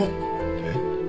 えっ？